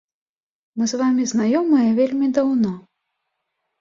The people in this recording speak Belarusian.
Мы з вамі знаёмыя вельмі даўно.